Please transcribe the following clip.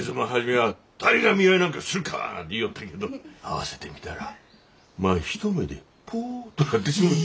あ誰が見合いなんかするか言ようったけど会わせてみたらまあ一目でポッとなってしもうて。